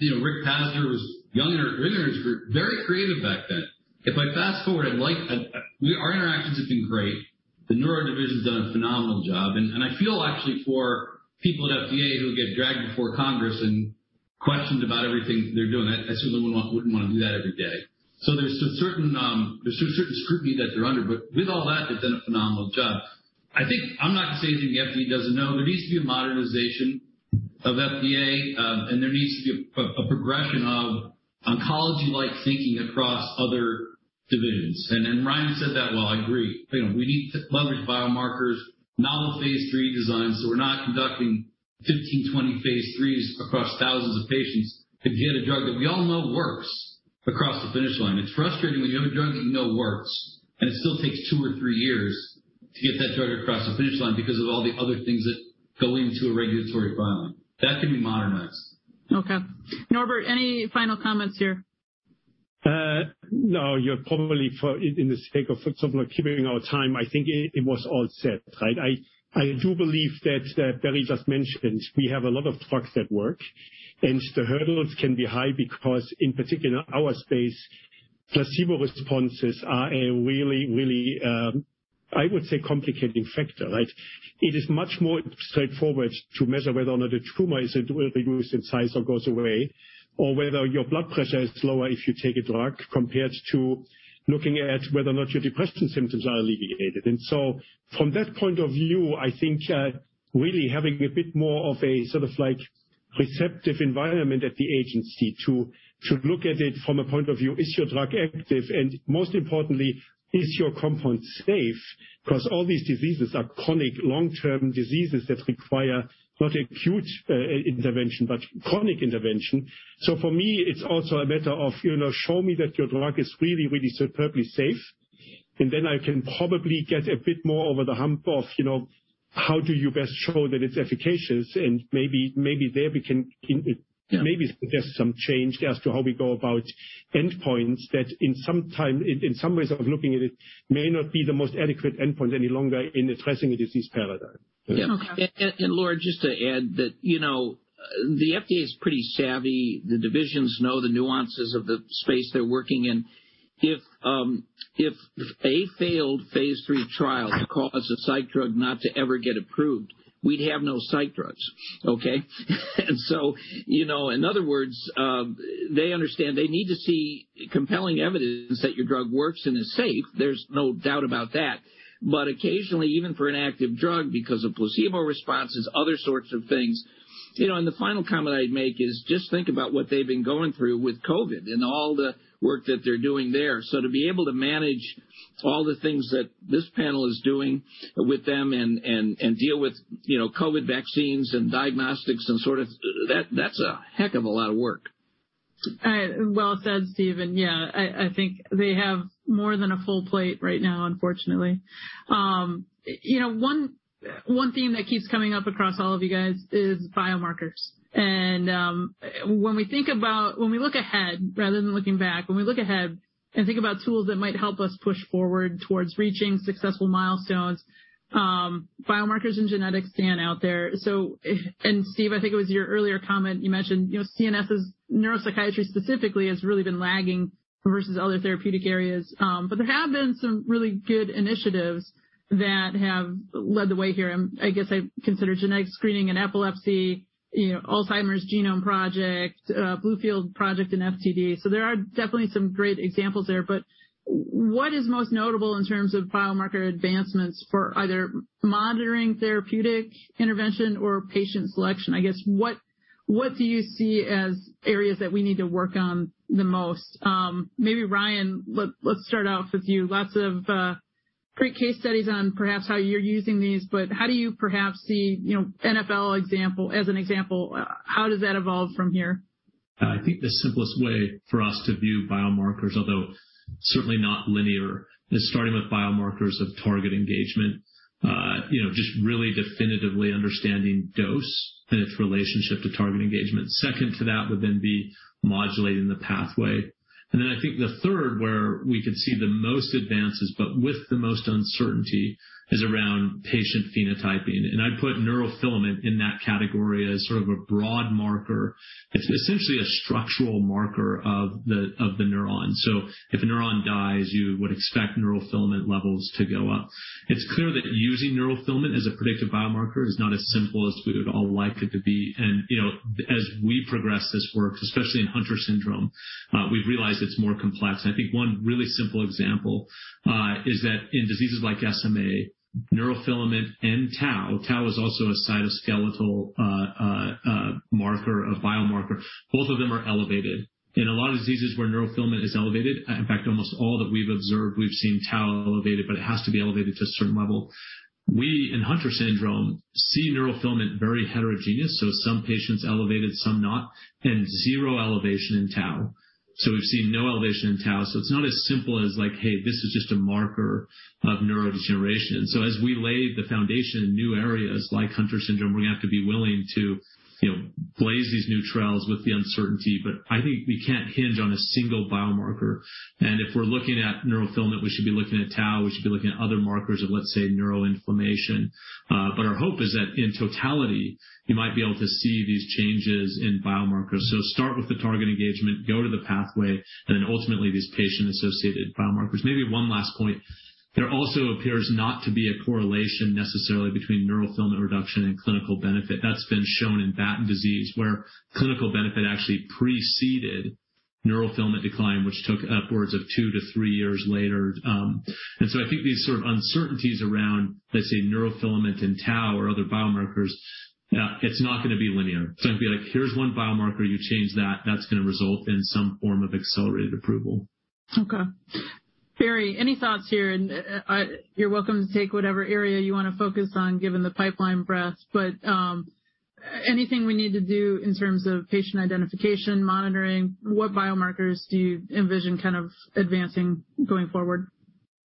B: Richard Pazdur was young and very creative back then. If I fast-forward, our interactions have been great. The neuro division's done a phenomenal job, and I feel actually for people at FDA who get dragged before Congress and questioned about everything they're doing. I certainly wouldn't want to do that every day. There's a certain scrutiny that they're under. With all that, they've done a phenomenal job. I'm not going to say anything the FDA doesn't know. There needs to be a modernization of FDA, and there needs to be a progression of oncology-like thinking across other divisions. Ryan said that. Well, I agree. We need to leverage biomarkers, novel phase III designs, so we're not conducting 15, 20 phase IIIs across thousands of patients to get a drug that we all know works across the finish line. It's frustrating when you have a drug that you know works, and it still takes two or three years to get that drug across the finish line because of all the other things that go into a regulatory filing. That can be modernized.
A: Okay. Norbert, any final comments here?
E: No, you're probably for in the sake of keeping our time, I think it was all said, right? I do believe that Barry Greene just mentioned we have a lot of drugs that work, and the hurdles can be high because, in particular, our space, placebo responses are a really, I would say, complicating factor, right? It is much more straightforward to measure whether or not a tumor will reduce in size or goes away, or whether your blood pressure is lower if you take a drug, compared to looking at whether or not your depression symptoms are alleviated. From that point of view, I think really having a bit more of a sort of like receptive environment at the agency to look at it from a point of view, is your drug active? Most importantly, is your compound safe? All these diseases are chronic long-term diseases that require not acute intervention, but chronic intervention. For me, it's also a matter of show me that your drug is really superbly safe, and then I can probably get a bit more over the hump of how do you best show that it's efficacious, and maybe there we can maybe suggest some change as to how we go about endpoints that in some time, in some ways of looking at it, may not be the most adequate endpoint any longer in addressing the disease paradigm.
A: Okay.
C: Laura, just to add that the FDA is pretty savvy. The divisions know the nuances of the space they're working in. If a failed phase III trial caused a psych drug not to ever get approved, we'd have no psych drugs, okay? In other words, they understand they need to see compelling evidence that your drug works and is safe. There's no doubt about that. Occasionally, even for an active drug, because of placebo responses, other sorts of things. The final comment I'd make is just think about what they've been going through with COVID and all the work that they're doing there. To be able to manage all the things that this panel is doing with them and deal with COVID vaccines and diagnostics, that's a heck of a lot of work.
A: Well said, Steve. I think they have more than a full plate right now, unfortunately. One theme that keeps coming up across all of you guys is biomarkers. When we look ahead rather than looking back, when we look ahead and think about tools that might help us push forward towards reaching successful milestones, biomarkers and genetics stand out there. Steve, I think it was your earlier comment, you mentioned CNS neuropsychiatry specifically has really been lagging versus other therapeutic areas. There have been some really good initiatives that have led the way here. I guess I consider genetic screening in epilepsy, Alzheimer's Genome Project, Bluefield Project in FTD. There are definitely some great examples there, but what is most notable in terms of biomarker advancements for either monitoring therapeutic intervention or patient selection? I guess, what do you see as areas that we need to work on the most? Maybe Ryan, let's start off with you. Lots of great case studies on perhaps how you're using these, but how do you perhaps see NFL as an example, how does that evolve from here?
D: I think the simplest way for us to view biomarkers, although certainly not linear, is starting with biomarkers of target engagement, just really definitively understanding dose and its relationship to target engagement. Second to that would then be modulating the pathway. I think the third, where we could see the most advances but with the most uncertainty, is around patient phenotyping. I'd put neurofilament in that category as sort of a broad marker. It's essentially a structural marker of the neuron. If a neuron dies, you would expect neurofilament levels to go up. It's clear that using neurofilament as a predictive biomarker is not as simple as we would all like it to be, and as we progress this work, especially in Hunter syndrome, we've realized it's more complex. I think one really simple example is that in diseases like SMA, neurofilament and tau is also a cytoskeletal marker, a biomarker. Both of them are elevated. In a lot of diseases where neurofilament is elevated, in fact, almost all that we've observed, we've seen tau elevated, but it has to be elevated to a certain level. We, in Hunter syndrome, see neurofilament very heterogeneous, so some patients elevated, some not, and 0 elevation in tau. We've seen no elevation in tau. It's not as simple as like, "Hey, this is just a marker of neurodegeneration." As we lay the foundation in new areas like Hunter syndrome, we're going to have to be willing to blaze these new trails with the uncertainty. I think we can't hinge on a single biomarker. If we're looking at neurofilament, we should be looking at tau, we should be looking at other markers of, let's say, neuroinflammation. Our hope is that in totality, you might be able to see these changes in biomarkers. Start with the target engagement, go to the pathway, and then ultimately these patient-associated biomarkers. Maybe one last point. There also appears not to be a correlation necessarily between neurofilament reduction and clinical benefit. That's been shown in Batten disease, where clinical benefit actually preceded neurofilament decline, which took upwards of two to three years later. I think these sort of uncertainties around, let's say, neurofilament and tau or other biomarkers, it's not going to be linear. It's not going to be like, here's one biomarker, you change that's going to result in some form of accelerated approval.
A: Okay. Barry, any thoughts here? You're welcome to take whatever area you want to focus on given the pipeline breadth. Anything we need to do in terms of patient identification, monitoring? What biomarkers do you envision kind of advancing going forward?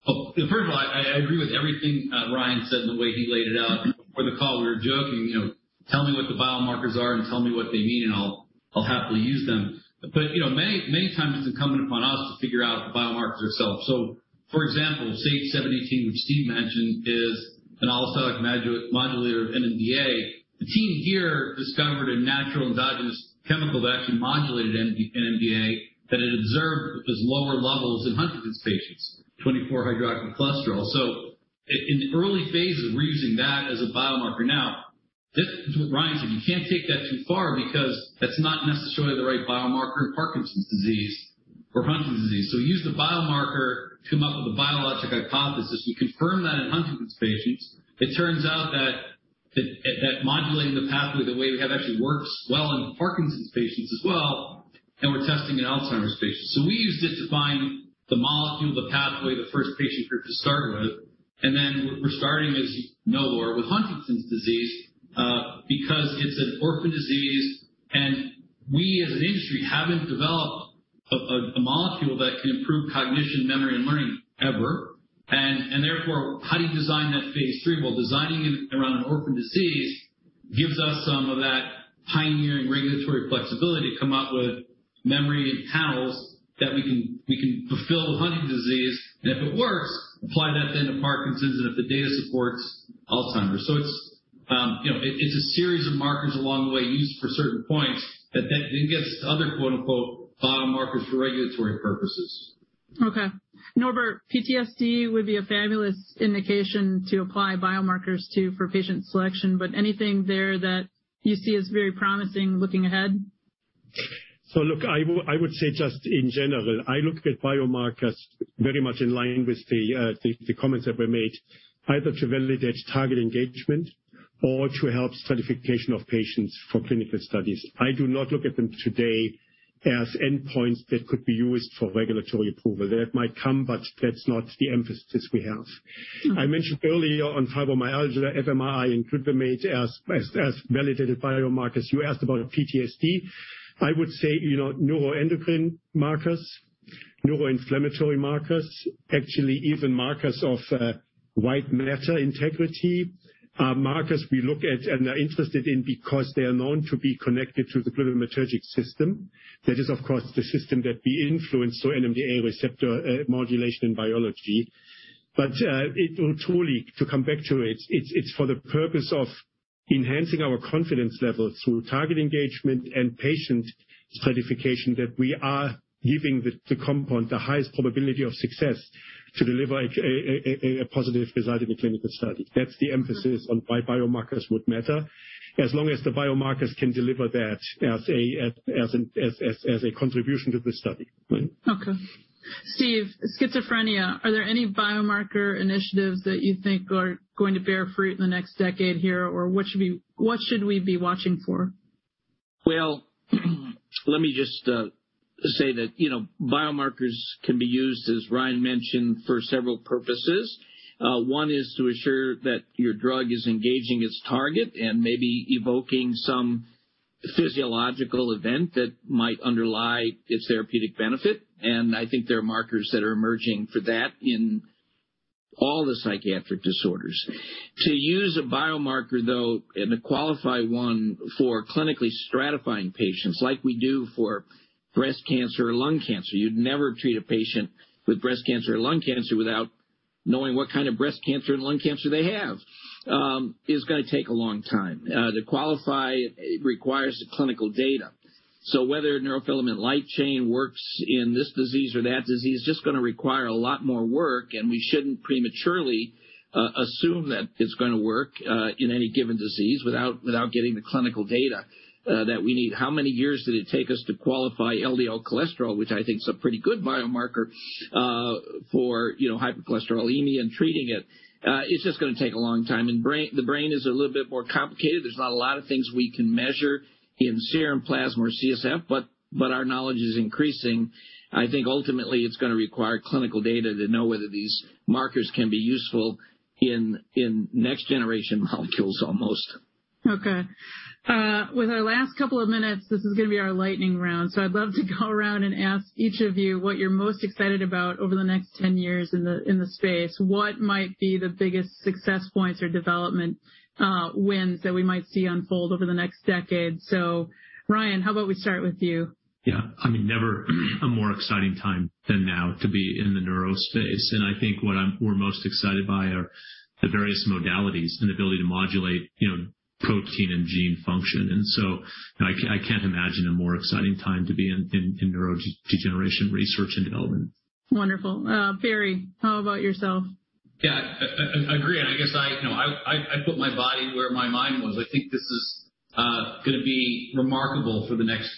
B: First of all, I agree with everything Ryan said and the way he laid it out. Before the call, we were joking, tell me what the biomarkers are and tell me what they mean, and I'll happily use them. Many times it's incumbent upon us to figure out the biomarkers ourselves. For example, SAGE-718, which Steve mentioned, is an allosteric modulator of NMDA. The team here discovered a natural endogenous chemical that actually modulated NMDA, that it observed with these lower levels in Huntington's patients, 24-hydroxycholesterol. In the early phases, we're using that as a biomarker. This is what Ryan said. You can't take that too far because that's not necessarily the right biomarker in Parkinson's disease or Huntington's disease. Use the biomarker to come up with a biologic hypothesis. We confirm that in Huntington's patients. It turns out that modulating the pathway the way we have actually works well in Parkinson's patients as well, and we're testing in Alzheimer's patients. We use this to find the molecule, the pathway, the first patient group to start with. We're starting, as you know, Laura, with Huntington's disease, because it's an orphan disease, and we as an industry haven't developed a molecule that can improve cognition, memory, and learning ever. How do you design that Phase III? Well, designing it around an orphan disease gives us some of that pioneering regulatory flexibility to come up with memory panels that we can fulfill Huntington's disease, and if it works, apply that then to Parkinson's, and if the data supports, Alzheimer's. It's a series of markers along the way used for certain points that then gets other "biomarkers" for regulatory purposes.
A: Okay. Norbert, PTSD would be a fabulous indication to apply biomarkers to for patient selection, but anything there that you see as very promising looking ahead?
E: Look, I would say just in general, I look at biomarkers very much in line with the comments that were made, either to validate target engagement or to help stratification of patients for clinical studies. I do not look at them today as endpoints that could be used for regulatory approval. That might come, but that's not the emphasis we have. I mentioned earlier on fibromyalgia, fMRI and preKIMAT as validated biomarkers. You asked about PTSD. I would say, neuroendocrine markers, neuroinflammatory markers, actually even markers of white matter integrity are markers we look at and are interested in because they are known to be connected to the glutamatergic system. That is, of course, the system that we influence through NMDA receptor modulation in biology. It will truly, to come back to it's for the purpose of enhancing our confidence level through target engagement and patient stratification that we are giving the compound the highest probability of success to deliver a positive result in the clinical study. That's the emphasis on why biomarkers would matter, as long as the biomarkers can deliver that as a contribution to the study.
A: Okay. Steve, schizophrenia, are there any biomarker initiatives that you think are going to bear fruit in the next decade here? Or what should we be watching for?
C: Well, let me just say that biomarkers can be used, as Ryan mentioned, for several purposes. One is to assure that your drug is engaging its target and maybe evoking some physiological event that might underlie its therapeutic benefit. I think there are markers that are emerging for that in all the psychiatric disorders. To use a biomarker, though, and to qualify one for clinically stratifying patients like we do for breast cancer or lung cancer, you'd never treat a patient with breast cancer or lung cancer without knowing what kind of breast cancer and lung cancer they have, is going to take a long time. To qualify, it requires clinical data. Whether neurofilament light chain works in this disease or that disease, it's just going to require a lot more work, and we shouldn't prematurely assume that it's going to work in any given disease without getting the clinical data that we need. How many years did it take us to qualify LDL cholesterol, which I think is a pretty good biomarker for hypercholesterolemia and treating it? It's just going to take a long time. The brain is a little bit more complicated. There's not a lot of things we can measure in serum, plasma, or CSF, but our knowledge is increasing. I think ultimately it's going to require clinical data to know whether these markers can be useful in next generation molecules, almost.
A: Okay. With our last couple of minutes, this is going to be our lightning round. I'd love to go around and ask each of you what you're most excited about over the next 10 years in the space. What might be the biggest success points or development wins that we might see unfold over the next decade? Ryan, how about we start with you?
D: Yeah. I mean, never a more exciting time than now to be in the neuro space. I think what we're most excited by are the various modalities and ability to modulate protein and gene function. I can't imagine a more exciting time to be in neurodegeneration research and development.
A: Wonderful. Barry, how about yourself?
B: Yeah, I agree. I guess I put my body where my mind was. I think this is going to be remarkable for the next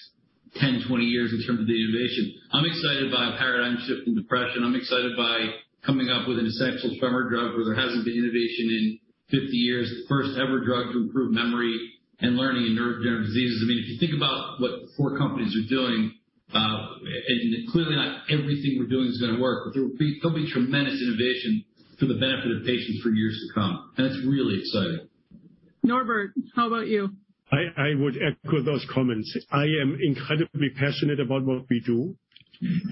B: 10, 20 years in terms of the innovation. I'm excited by a paradigm shift in depression. I'm excited by coming up with an essential tremor drug where there hasn't been innovation in 50 years, the first ever drug to improve memory and learning in neurodegenerative diseases. I mean, if you think about what the four companies are doing, and clearly not everything we're doing is going to work, but there'll be tremendous innovation for the benefit of patients for years to come, and that's really exciting.
A: Norbert, how about you?
E: I would echo those comments. I am incredibly passionate about what we do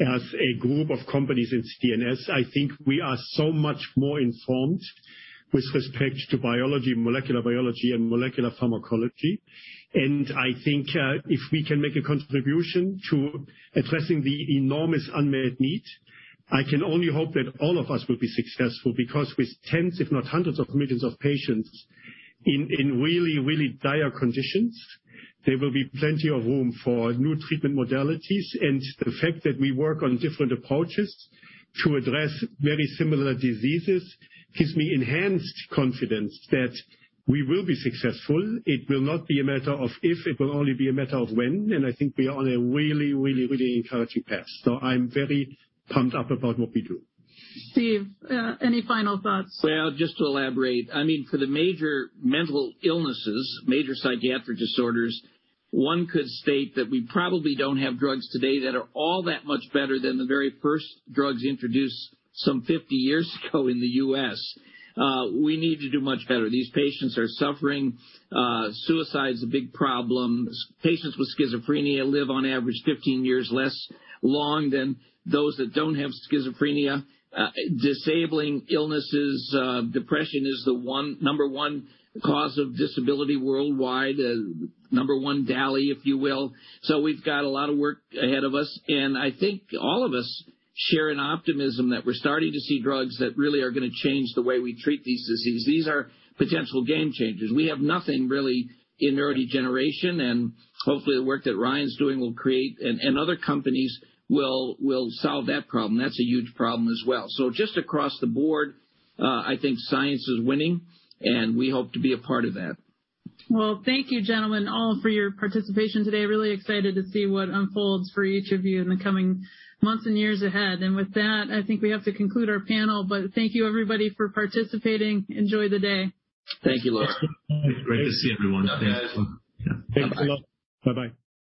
E: as a group of companies in CNS. I think we are so much more informed with respect to biology, molecular biology, and molecular pharmacology. I think if we can make a contribution to addressing the enormous unmet need, I can only hope that all of us will be successful because with tens, if not hundreds of millions of patients in really dire conditions, there will be plenty of room for new treatment modalities. The fact that we work on different approaches to address very similar diseases gives me enhanced confidence that we will be successful. It will not be a matter of if, it will only be a matter of when. I think we are on a really encouraging path. I'm very pumped up about what we do.
A: Steve, any final thoughts?
C: Well, just to elaborate. For the major mental illnesses, major psychiatric disorders, one could state that we probably don't have drugs today that are all that much better than the very first drugs introduced some 50 years ago in the U.S. We need to do much better. These patients are suffering. Suicide is a big problem. Patients with schizophrenia live on average 15 years less long than those that don't have schizophrenia. Disabling illnesses, depression is the number one cause of disability worldwide, number one DALY, if you will. We've got a lot of work ahead of us, and I think all of us share an optimism that we're starting to see drugs that really are going to change the way we treat these diseases. These are potential game changers. We have nothing really in neurodegeneration, and hopefully the work that Ryan's doing will create, and other companies will solve that problem. That's a huge problem as well. Just across the board, I think science is winning, and we hope to be a part of that.
A: Well, thank you gentlemen, all for your participation today. Really excited to see what unfolds for each of you in the coming months and years ahead. With that, I think we have to conclude our panel. Thank you everybody for participating. Enjoy the day.
B: Thank you, Laura.
D: Great to see everyone.
B: Yeah, guys.
E: Thanks a lot. Bye-bye.